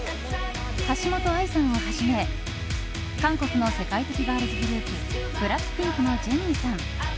橋本愛さんをはじめ韓国の世界的ガールズグループＢＬＡＣＫＰＩＮＫのジェニーさん